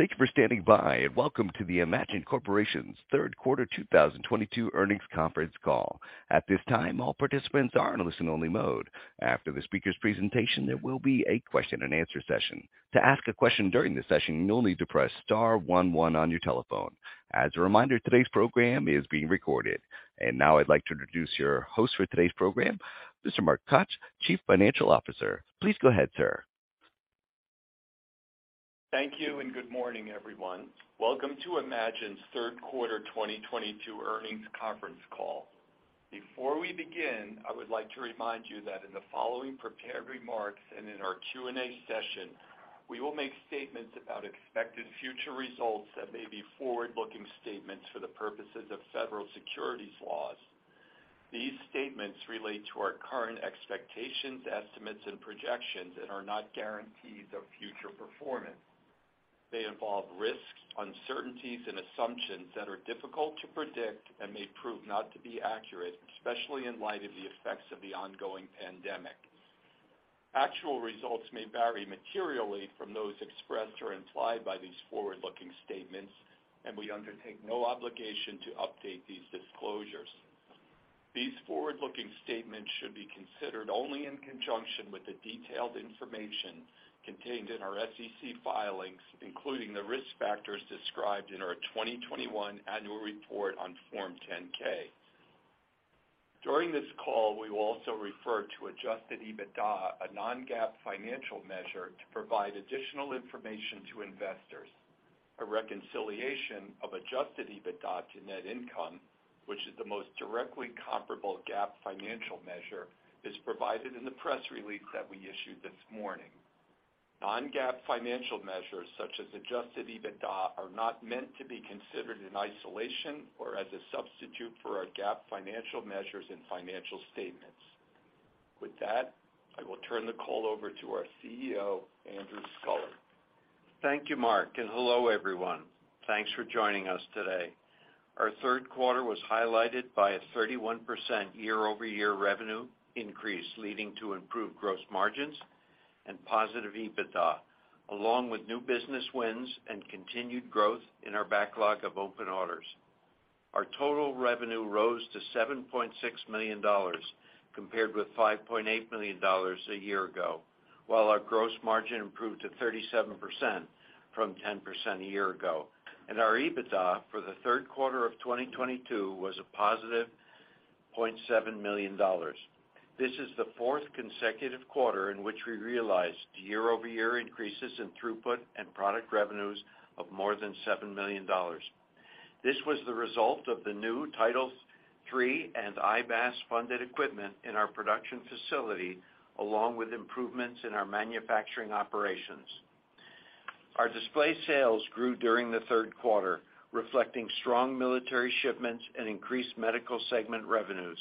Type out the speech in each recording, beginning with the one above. Thank you for standing by, and welcome to the eMagin Corporation's third quarter 2022 earnings conference call. At this time, all participants are in a listen only mode. After the speaker's presentation, there will be a question and answer session. To ask a question during the session, you'll need to press star one one on your telephone. As a reminder, today's program is being recorded. Now I'd like to introduce your host for today's program, Mr. Mark Koch, Chief Financial Officer. Please go ahead, sir. Thank you, and good morning, everyone. Welcome to eMagin's third quarter 2022 earnings conference call. Before we begin, I would like to remind you that in the following prepared remarks and in our Q&A session, we will make statements about expected future results that may be forward-looking statements for the purposes of federal securities laws. These statements relate to our current expectations, estimates, and projections and are not guarantees of future performance. They involve risks, uncertainties, and assumptions that are difficult to predict and may prove not to be accurate, especially in light of the effects of the ongoing pandemic. Actual results may vary materially from those expressed or implied by these forward-looking statements, and we undertake no obligation to update these disclosures. These forward-looking statements should be considered only in conjunction with the detailed information contained in our SEC filings, including the risk factors described in our 2021 annual report on Form 10-K. During this call, we will also refer to adjusted EBITDA, a non-GAAP financial measure to provide additional information to investors. A reconciliation of adjusted EBITDA to net income, which is the most directly comparable GAAP financial measure, is provided in the press release that we issued this morning. Non-GAAP financial measures, such as adjusted EBITDA, are not meant to be considered in isolation or as a substitute for our GAAP financial measures and financial statements. With that, I will turn the call over to our CEO, Andrew Sculley. Thank you, Mark, and hello, everyone. Thanks for joining us today. Our third quarter was highlighted by a 31% year-over-year revenue increase, leading to improved gross margins and positive EBITDA, along with new business wins and continued growth in our backlog of open orders. Our total revenue rose to $7.6 million compared with $5.8 million a year ago, while our gross margin improved to 37% from 10% a year ago. Our EBITDA for the third quarter of 2022 was a positive $0.7 million. This is the fourth consecutive quarter in which we realized year-over-year increases in throughput and product revenues of more than $7 million. This was the result of the new Title III and IBAS-funded equipment in our production facility, along with improvements in our manufacturing operations. Our display sales grew during the third quarter, reflecting strong Military shipments and increased Medical segment revenues.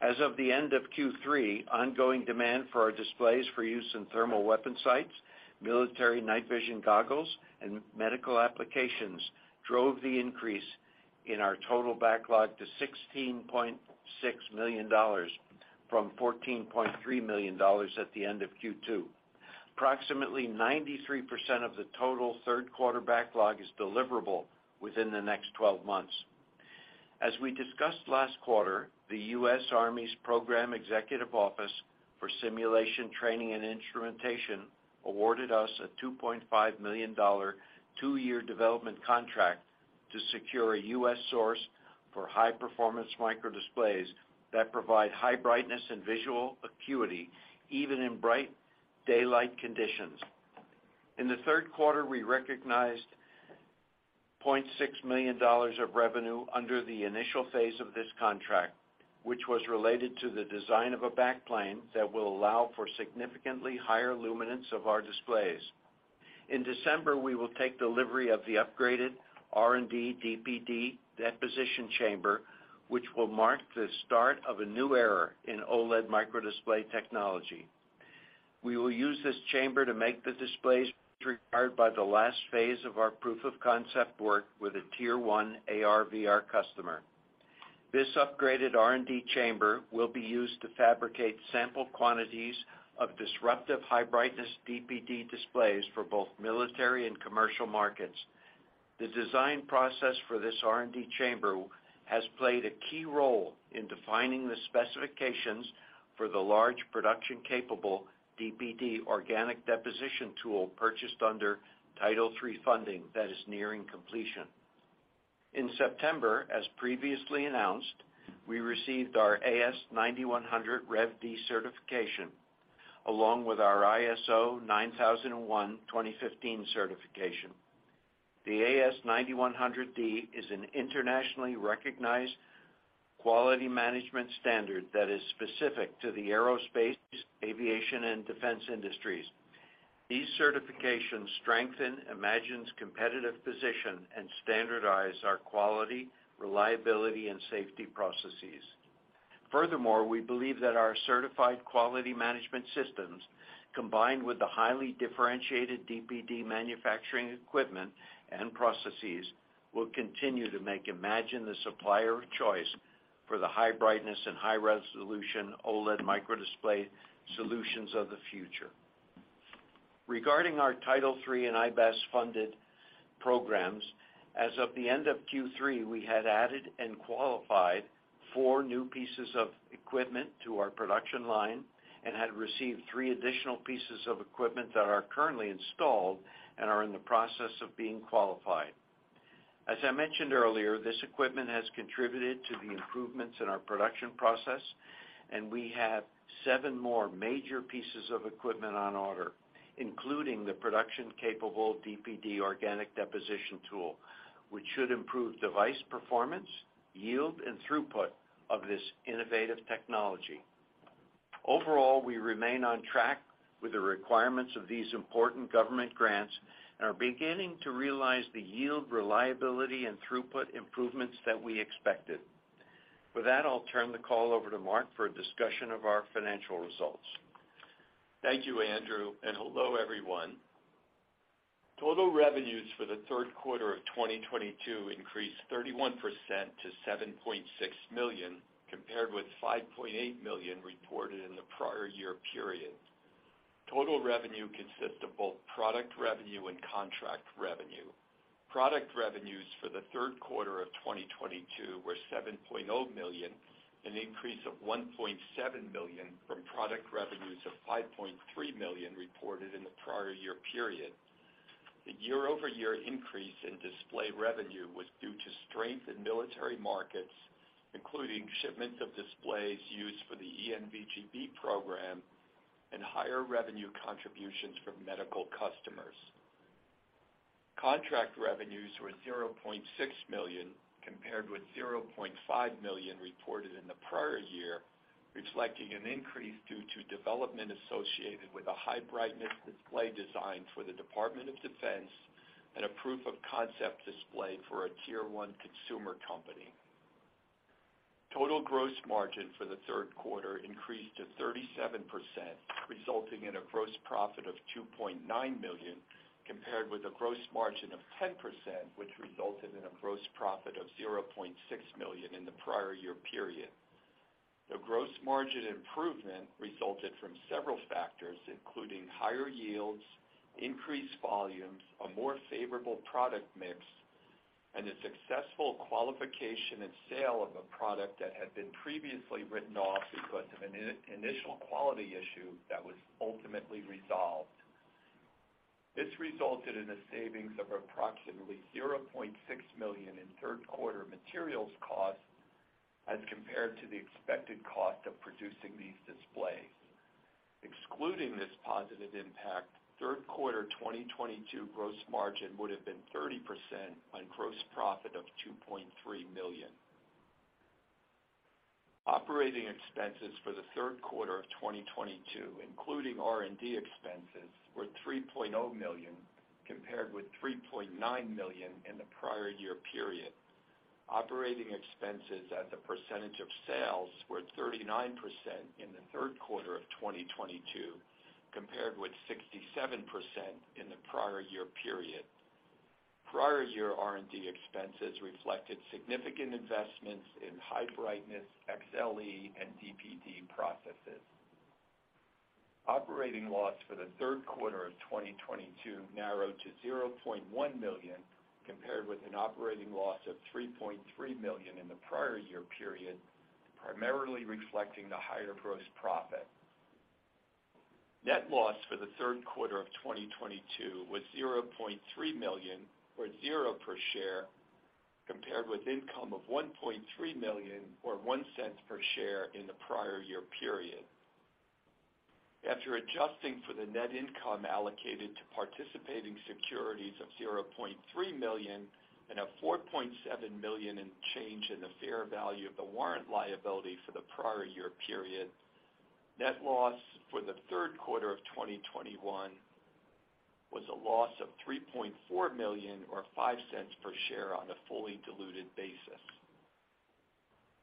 As of the end of Q3, ongoing demand for our displays for use in thermal weapon sights, military night vision goggles, and medical applications drove the increase in our total backlog to $16.6 million from $14.3 million at the end of Q2. Approximately 93% of the total third-quarter backlog is deliverable within the next 12 months. As we discussed last quarter, the U.S. Army's Program Executive Office for Simulation, Training, and Instrumentation awarded us a $2.5 million two-year development contract to secure a U.S. source for high-performance microdisplays that provide high brightness and visual acuity even in bright daylight conditions. In the third quarter, we recognized $0.6 million of revenue under the initial phase of this contract, which was related to the design of a backplane that will allow for significantly higher luminance of our displays. In December, we will take delivery of the upgraded R&D dPd deposition chamber, which will mark the start of a new era in OLED microdisplay technology. We will use this chamber to make the displays required by the last phase of our proof-of-concept work with a Tier 1 AR/VR customer. This upgraded R&D chamber will be used to fabricate sample quantities of disruptive high-brightness dPd displays for both Military and Commercial markets. The design process for this R&D chamber has played a key role in defining the specifications for the large production-capable dPd organic deposition tool purchased under Title III funding that is nearing completion. In September, as previously announced, we received our AS9100 Rev D certification, along with our ISO 9001:2015 certification. The AS9100D is an internationally recognized quality management standard that is specific to the aerospace, aviation, and defense industries. These certifications strengthen eMagin's competitive position and standardize our quality, reliability, and safety processes. Furthermore, we believe that our certified quality management systems, combined with the highly differentiated dPd manufacturing equipment and processes will continue to make eMagin the supplier of choice for the high brightness and high-resolution OLED microdisplay solutions of the future. Regarding our Title III and IBAS-funded programs, as of the end of Q3, we had added and qualified four new pieces of equipment to our production line and had received three additional pieces of equipment that are currently installed and are in the process of being qualified. As I mentioned earlier, this equipment has contributed to the improvements in our production process, and we have seven more major pieces of equipment on order, including the production-capable dPd organic deposition tool, which should improve device performance, yield, and throughput of this innovative technology. Overall, we remain on track with the requirements of these important government grants and are beginning to realize the yield, reliability and throughput improvements that we expected. With that, I'll turn the call over to Mark for a discussion of our financial results. Thank you, Andrew, and hello everyone. Total revenues for the third quarter of 2022 increased 31% to $7.6 million, compared with $5.8 million reported in the prior year period. Total revenue consists of both product revenue and contract revenue. Product revenues for the third quarter of 2022 were $7.0 million, an increase of $1.7 million from product revenues of $5.3 million reported in the prior year period. The year-over-year increase in display revenue was due to strength in Military markets, including shipments of displays used for the ENVG-B program and higher revenue contributions from Medical customers. Contract revenues were $0.6 million, compared with $0.5 million reported in the prior year, reflecting an increase due to development associated with a high-brightness display design for the Department of Defense and a proof-of-concept display for a Tier 1 consumer company. Total gross margin for the third quarter increased to 37%, resulting in a gross profit of $2.9 million, compared with a gross margin of 10%, which resulted in a gross profit of $0.6 million in the prior year period. The gross margin improvement resulted from several factors, including higher yields, increased volumes, a more favorable product mix, and the successful qualification and sale of a product that had been previously written off because of an initial quality issue that was ultimately resolved. This resulted in a savings of approximately $0.6 million in third quarter materials costs as compared to the expected cost of producing these displays. Excluding this positive impact, third quarter 2022 gross margin would have been 30% on gross profit of $2.3 million. Operating expenses for the third quarter of 2022, including R&D expenses, were $3.0 million, compared with $3.9 million in the prior year period. Operating expenses as a percentage of sales were 39% in the third quarter of 2022, compared with 67% in the prior year period. Prior year R&D expenses reflected significant investments in high brightness XLE and dPd processes. Operating loss for the third quarter of 2022 narrowed to $0.1 million, compared with an operating loss of $3.3 million in the prior year period, primarily reflecting the higher gross profit. Net loss for the third quarter of 2022 was $0.3 million, or $0 per share, compared with income of $1.3 million or $0.01 per share in the prior year period. After adjusting for the net income allocated to participating securities of $0.3 million and a $4.7 million in change in the fair value of the warrant liability for the prior year period, net loss for the third quarter of 2021 was a loss of $3.4 million or $0.05 per share on a fully diluted basis.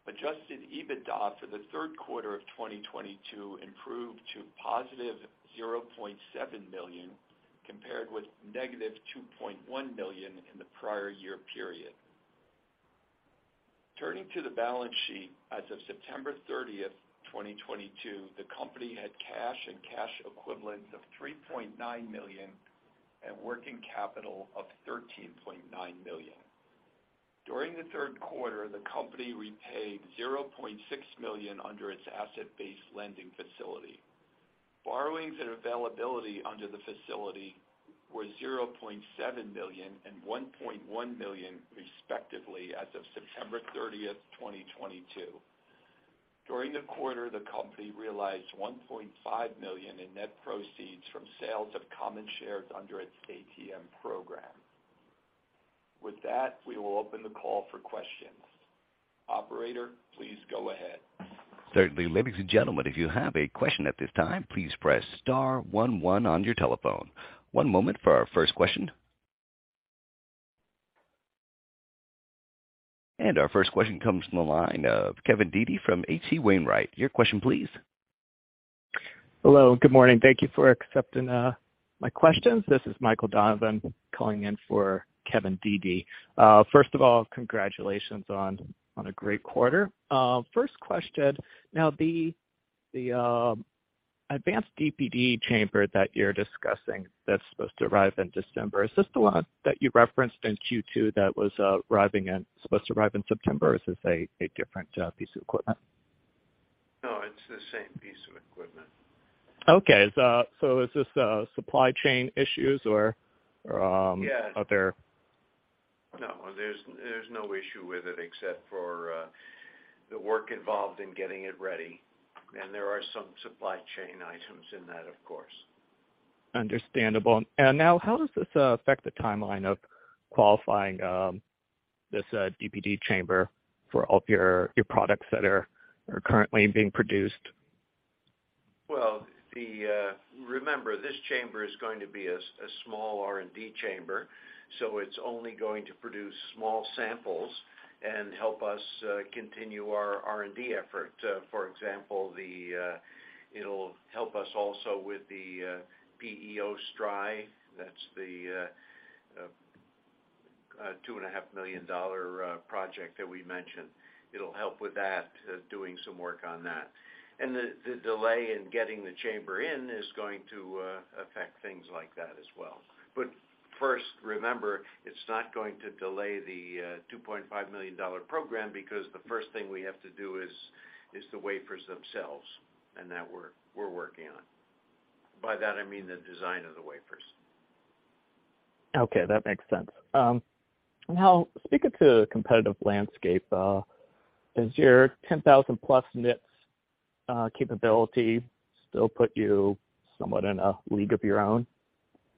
Adjusted EBITDA for the third quarter of 2022 improved to $0.7 million, compared with -$2.1 million in the prior year period. Turning to the balance sheet, as of September 30th, 2022, the company had cash and cash equivalents of $3.9 million and working capital of $13.9 million. During the third quarter, the company repaid $0.6 million under its asset-based lending facility. Borrowings and availability under the facility were $0.7 million and $1.1 million, respectively, as of September 30th, 2022. During the quarter, the company realized $1.5 million in net proceeds from sales of common shares under its ATM program. With that, we will open the call for questions. Operator, please go ahead. Certainly. Ladies and gentlemen, if you have a question at this time, please press star one one on your telephone. One moment for our first question. Our first question comes from the line of Kevin Dede from H.C. Wainwright & Co. Your question please. Hello, good morning. Thank you for accepting my questions. This is Michael Donovan calling in for Kevin Dede. First of all, congratulations on a great quarter. First question. Now, the advanced dPd chamber that you're discussing that's supposed to arrive in December, is this the one that you referenced in Q2 that was supposed to arrive in September? Or is this a different piece of equipment? No, it's the same piece of equipment. Okay. Is this supply chain issues or? Yes. -other? No, there's no issue with it except for the work involved in getting it ready. There are some supply chain items in that, of course. Understandable. Now how does this affect the timeline of qualifying this dPd chamber for all of your products that are currently being produced? Well, remember, this chamber is going to be a small R&D chamber, so it's only going to produce small samples and help us continue our R&D effort. For example, it'll help us also with the PEO STRI. That's the $2.5 million project that we mentioned. It'll help with that, doing some work on that. The delay in getting the chamber in is going to affect things like that as well. First, remember, it's not going to delay the $2.5 million program because the first thing we have to do is the wafers themselves, and that we're working on. By that, I mean the design of the wafers. Okay, that makes sense. Now speaking to competitive landscape, does your 10,000+ nits capability still put you somewhat in a league of your own?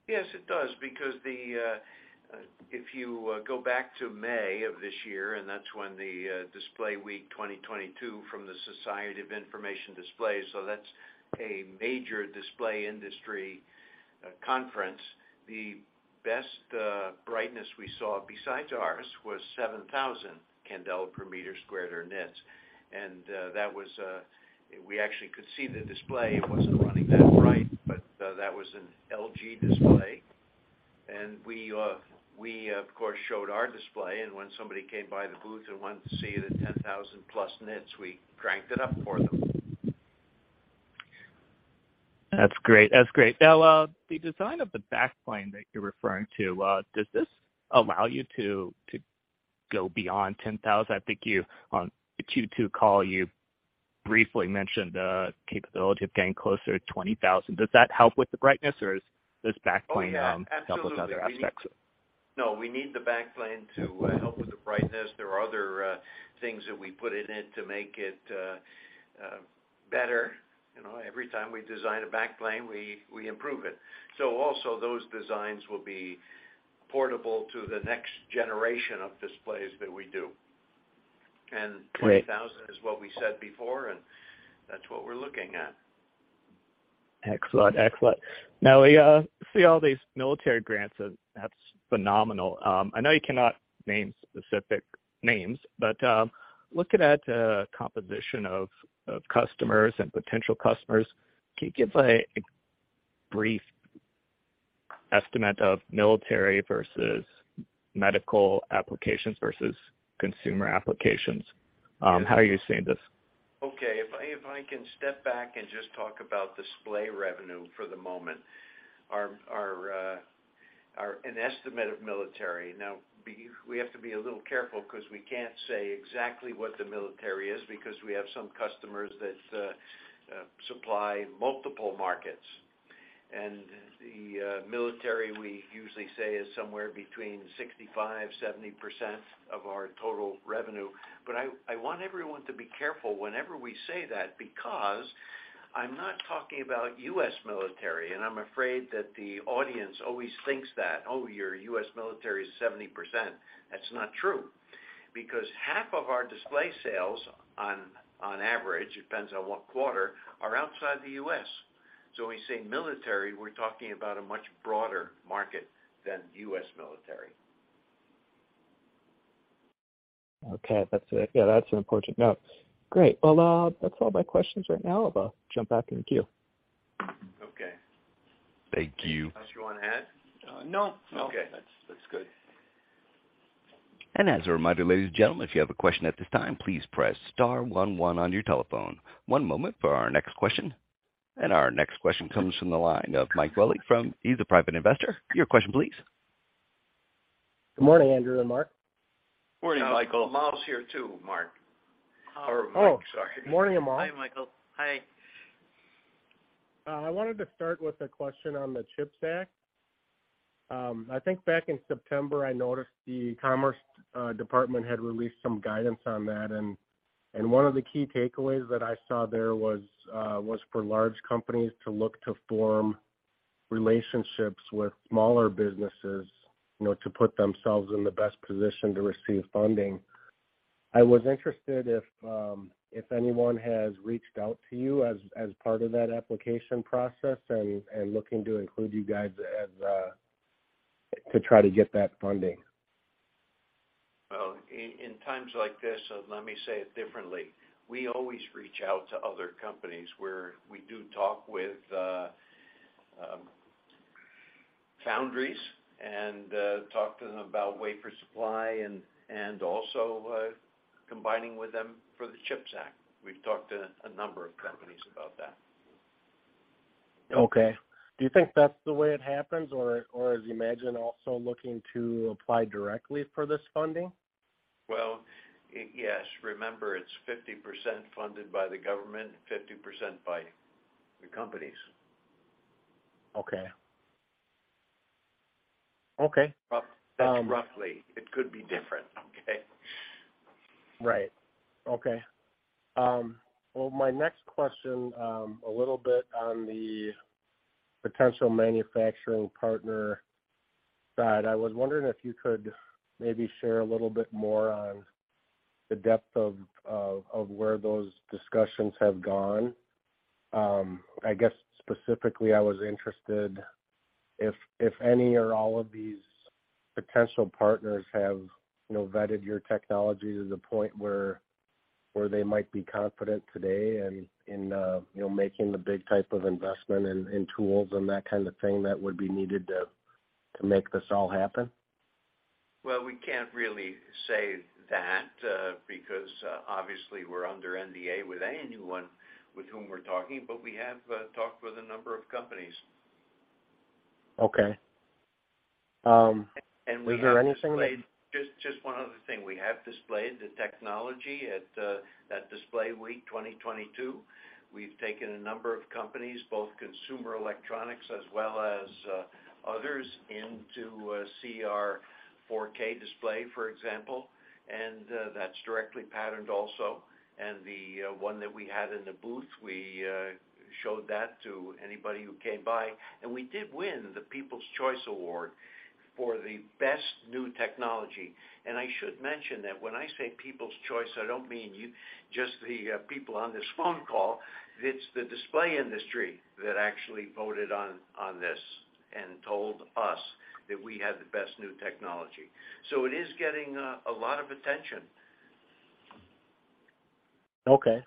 Yes, it does, because if you go back to May of this year, and that's when the Display Week 2022 from the Society for Information Display, so that's a major display industry conference. The best brightness we saw besides ours was 7,000 candela per meter squared or nits. That was. We actually could see the display. It wasn't running that bright, but that was an LG Display. We of course showed our display, and when somebody came by the booth and wanted to see the 10,000+ nits, we cranked it up for them. That's great. Now, the design of the backplane that you're referring to, does this allow you to go beyond 10,000 nits? I think you, on the Q2 call, you briefly mentioned the capability of getting closer to 20,000 nits. Does that help with the brightness or is this backplane? Oh, yeah. Absolutely. Help with other aspects? No, we need the backplane to help with the brightness. There are other things that we put in it to make it better. You know, every time we design a backplane, we improve it. Also those designs will be portable to the next generation of displays that we do. Great. 20,000 nits is what we said before, and that's what we're looking at. Excellent. Excellent. Now we see all these Military grants. That's phenomenal. I know you cannot name specific names, but looking at composition of customers and potential customers, can you give a brief estimate of Military versus Medical applications versus Consumer applications? How are you seeing this? Okay. If I can step back and just talk about display revenue for the moment. An estimate of Military. We have to be a little careful because we can't say exactly what the Military is because we have some customers that supply multiple markets. The Military, we usually say is somewhere between 65%-70% of our total revenue. I want everyone to be careful whenever we say that, because I'm not talking about U.S. military, and I'm afraid that the audience always thinks that, "Oh, your U.S. military is 70%." That's not true. Half of our display sales on average depends on what quarter are outside the U.S. When we say military, we're talking about a much broader market than U.S. military. Okay. That's. Yeah, that's an important note. Great. Well, that's all my questions right now. I'll jump back in the queue. Okay. Thank you. Unless you wanna add? No. No. Okay. That's good. As a reminder, ladies and gentlemen, if you have a question at this time, please press star one one on your telephone. One moment for our next question. Our next question comes from the line of Mike Lovick, a private investor. Your question please. Good morning, Andrew and Mark. Morning, Michael. Amal's here too, Mark. Or Mike, sorry. Oh, morning Amal. Hi, Michael. Hi. I wanted to start with a question on the CHIPS Act. I think back in September, I noticed the Commerce Department had released some guidance on that, and one of the key takeaways that I saw there was for large companies to look to form relationships with smaller businesses, you know, to put themselves in the best position to receive funding. I was interested if anyone has reached out to you as part of that application process and looking to include you guys to try to get that funding. Well, in times like this, let me say it differently. We always reach out to other companies where we do talk with foundries and talk to them about wafer supply and also combining with them for the CHIPS Act. We've talked to a number of companies about that. Okay. Do you think that's the way it happens, or as you imagine also looking to apply directly for this funding? Well, yes. Remember, it's 50% funded by the government, 50% by the companies. Okay. That's roughly. It could be different, okay? Right. Okay. Well, my next question, a little bit on the potential manufacturing partner side. I was wondering if you could maybe share a little bit more on the depth of where those discussions have gone. I guess specifically I was interested if any or all of these potential partners have, you know, vetted your technology to the point where they might be confident today in, you know, making the big type of investment in tools and that kind of thing that would be needed to make this all happen. Well, we can't really say that, because, obviously, we're under NDA with anyone with whom we're talking, but we have talked with a number of companies. Okay. Is there anything that- Just one other thing. We have displayed the technology at Display Week 2022. We've taken a number of companies, both consumer electronics as well as others, into see our 4K display, for example, and that's directly patterned also. The one that we had in the booth, we showed that to anybody who came by. We did win the People's Choice Award for the best new technology. I should mention that when I say People's Choice, I don't mean you, just the people on this phone call. It's the display industry that actually voted on this and told us that we had the best new technology. It is getting a lot of attention. Okay,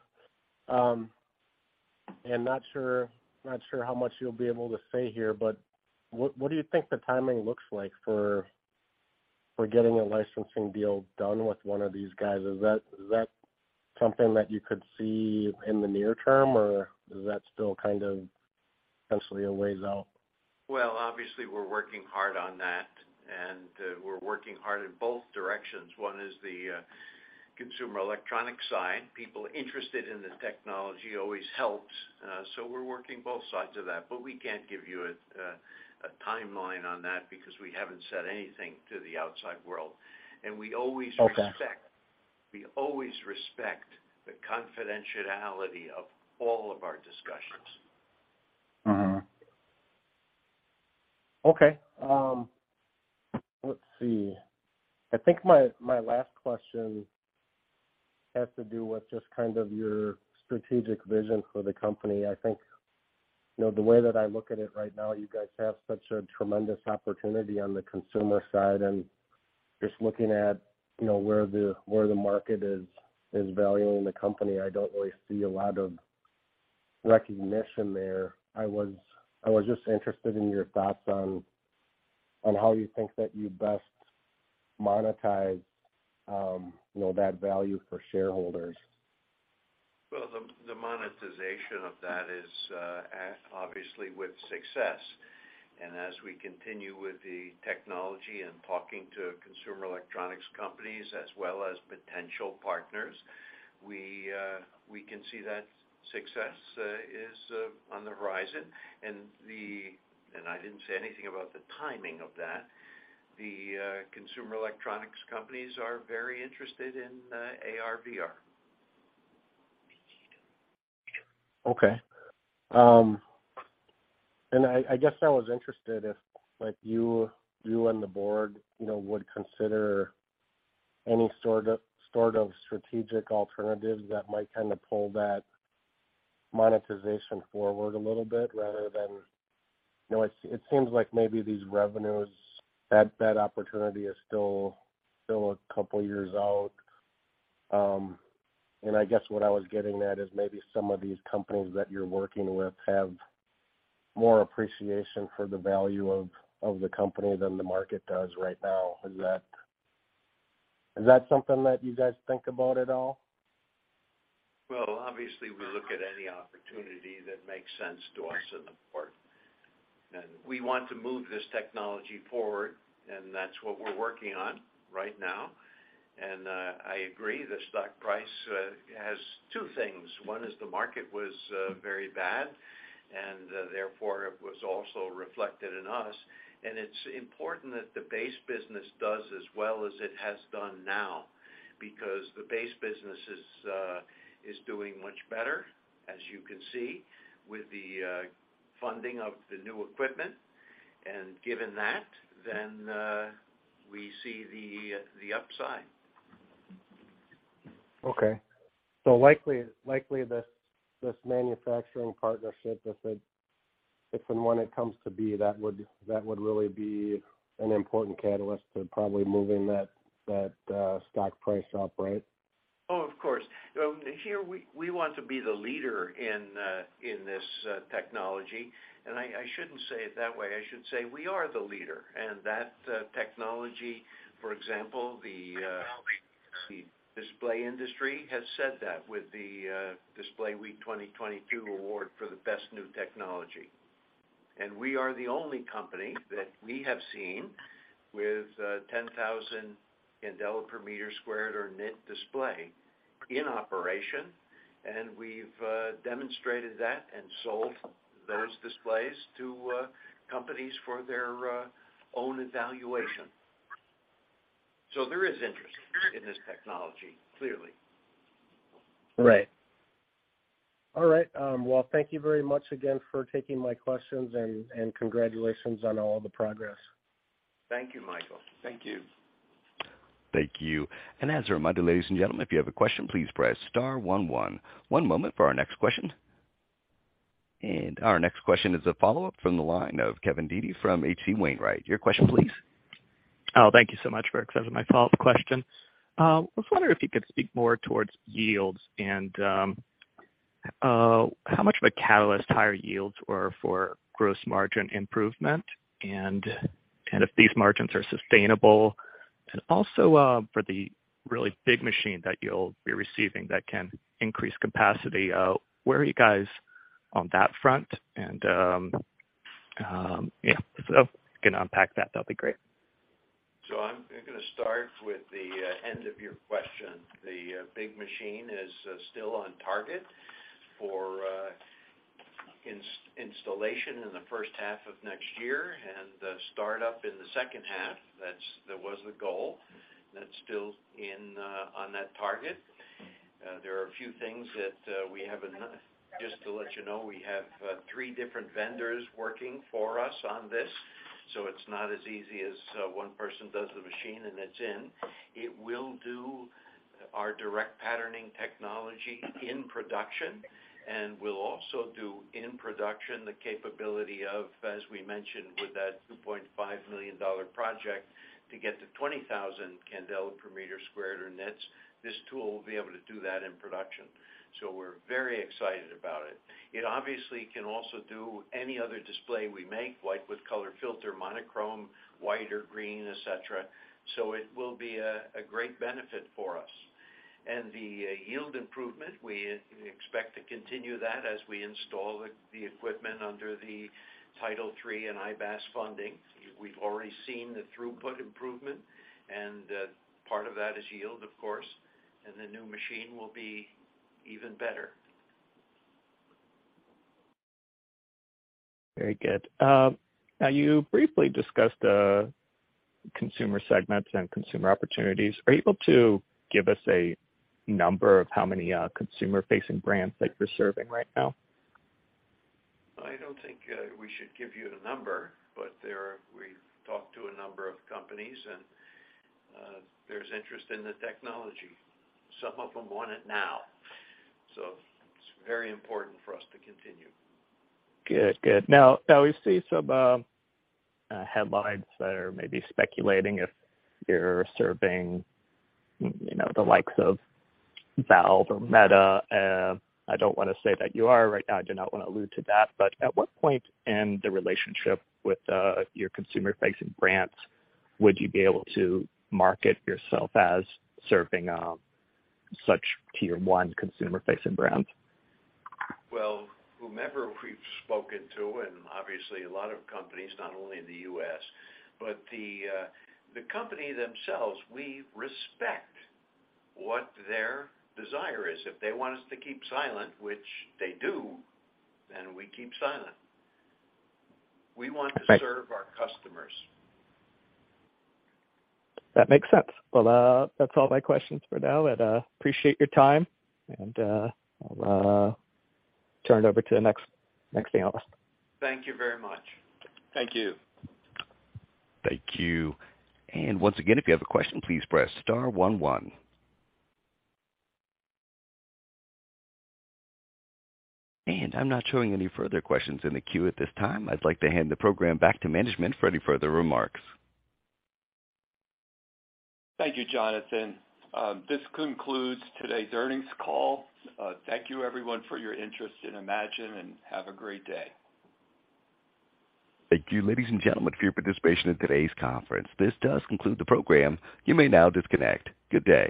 not sure how much you'll be able to say here, but what do you think the timing looks like for getting a licensing deal done with one of these guys? Is that something that you could see in the near term, or is that still kind of potentially a ways out? Well, obviously, we're working hard on that, and we're working hard in both directions. One is the consumer electronic side. People interested in the technology always helps, so we're working both sides of that. But we can't give you a timeline on that because we haven't said anything to the outside world. We always respect- Okay. We always respect the confidentiality of all of our discussions. Okay. Let's see. I think my last question has to do with just kind of your strategic vision for the company. I think, you know, the way that I look at it right now, you guys have such a tremendous opportunity on the consumer side, and just looking at, you know, where the market is valuing the company, I don't really see a lot of recognition there. I was just interested in your thoughts on how you think that you best monetize, you know, that value for shareholders. Well, the monetization of that is obviously with success. As we continue with the technology and talking to consumer electronics companies as well as potential partners, we can see that success is on the horizon. I didn't say anything about the timing of that. The consumer electronics companies are very interested in AR/VR. Okay. I guess I was interested if, like, you and the board, you know, would consider any sort of strategic alternatives that might kind of pull that monetization forward a little bit rather than, you know, it seems like maybe these revenues, that opportunity is still a couple of years out. I guess what I was getting at is maybe some of these companies that you're working with have more appreciation for the value of the company than the market does right now. Is that something that you guys think about at all? Well, obviously, we look at any opportunity that makes sense to us in the part. We want to move this technology forward, and that's what we're working on right now. I agree, the stock price has two things. One is the market was very bad, and therefore it was also reflected in us. It's important that the base business does as well as it has done now because the base business is doing much better, as you can see, with the funding of the new equipment. Given that, then, we see the upside. Likely this manufacturing partnership, if and when it comes to be, that would really be an important catalyst to probably moving that stock price up, right? Oh, of course. Here, we want to be the leader in this technology. I shouldn't say it that way. I should say we are the leader. That technology, for example, the display industry has said that with the Display Week 2022 award for the best new technology. We are the only company that we have seen with 10,000 candela per meter squared or nit display in operation. We've demonstrated that and sold those displays to companies for their own evaluation. There is interest in this technology, clearly. Right. All right. Well, thank you very much again for taking my questions, and congratulations on all the progress. Thank you, Michael. Thank you. Thank you. As a reminder, ladies and gentlemen, if you have a question, please press star one one. One moment for our next question. Our next question is a follow-up from the line of Kevin Dede from H.C. Wainwright & Co. Your question please. Oh, thank you so much for accepting my follow-up question. I was wondering if you could speak more towards yields and, how much of a catalyst higher yields were for gross margin improvement and kind of these margins are sustainable. Also, for the really big machine that you'll be receiving that can increase capacity, where are you guys on that front? Yeah, if you can unpack that'd be great. I'm gonna start with the end of your question. The big machine is still on target for installation in the first half of next year and the start up in the second half. That was the goal. That's still on that target. There are a few things that we have. Just to let you know, we have three different vendors working for us on this, so it's not as easy as one person does the machine and it's in. It will do our direct patterning technology in production, and we'll also do in-production the capability of, as we mentioned, with that $2.5 million project to get to 20,000 candela per meter squared or nits. This tool will be able to do that in production. We're very excited about it. It obviously can also do any other display we make, white with color filter, monochrome, white or green, et cetera. It will be a great benefit for us. The yield improvement, we expect to continue that as we install the equipment under the Title III and IBAS funding. We've already seen the throughput improvement and, part of that is yield, of course, and the new machine will be even better. Very good. Now, you briefly discussed the consumer segments and consumer opportunities. Are you able to give us a number of how many consumer-facing brands that you're serving right now? I don't think we should give you the number, but we've talked to a number of companies, and there's interest in the technology. Some of them want it now, so it's very important for us to continue. Good. Now we see some headlines that are maybe speculating if you're serving, you know, the likes of Valve or Meta. I don't wanna say that you are right now. I do not wanna allude to that. At what point in the relationship with your consumer-facing brands would you be able to market yourself as serving such tier one consumer-facing brands? Well, whomever we've spoken to, and obviously a lot of companies, not only in the U.S., but the company themselves, we respect what their desire is. If they want us to keep silent, which they do, then we keep silent. Right. We want to serve our customers. That makes sense. Well, that's all my questions for now. I'd appreciate your time, and I'll turn it over to the next analyst. Thank you very much. Thank you. Thank you. Once again, if you have a question, please press star one one. I'm not showing any further questions in the queue at this time. I'd like to hand the program back to management for any further remarks. Thank you, Jonathan. This concludes today's earnings call. Thank you, everyone, for your interest in eMagin and have a great day. Thank you, ladies and gentlemen, for your participation in today's conference. This does conclude the program. You may now disconnect. Good day.